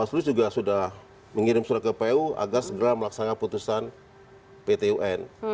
bawaslu juga sudah mengirim surat ke pu agar segera melaksanakan putusan pt un